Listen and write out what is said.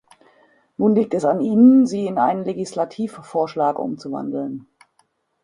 Nun liegt es an Ihnen, sie in einen Legislativvorschlag umzuwandeln.